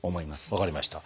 分かりました。